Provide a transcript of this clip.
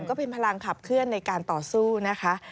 ก็เป็นพลังขับเคลื่อนในการต่อสู้นะคะ